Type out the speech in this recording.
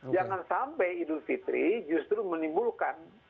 jangan sampai idul fitri justru menimbulkan